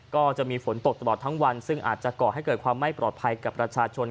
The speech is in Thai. ก็จะมีฝนตกตลอดทั้งวันซึ่งอาจจะก่อให้เกิดความไม่ปลอดภัยกับประชาชน